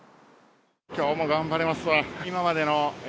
きょうも頑張れますわ。